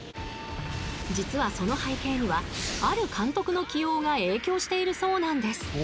［実はその背景にはある監督の起用が影響しているそうなんです］